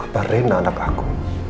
apa rena anak aku